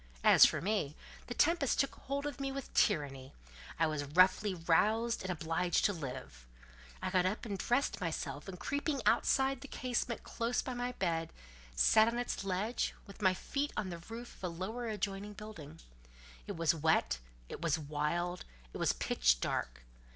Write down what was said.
As for me, the tempest took hold of me with tyranny: I was roughly roused and obliged to live. I got up and dressed myself, and creeping outside the casement close by my bed, sat on its ledge, with my feet on the roof of a lower adjoining building. It was wet, it was wild, it was pitch dark.